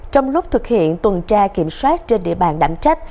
trong lúc thực hiện tuần tra kiểm soát trên địa bàn đảm trách